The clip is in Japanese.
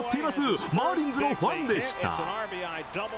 マーリンズのファンでした。